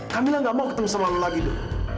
kamila gak mau ketemu sama lo lagi do